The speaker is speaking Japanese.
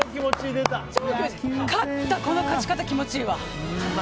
勝った、この勝ち方気持ちいいわ。